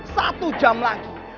satu jam lagi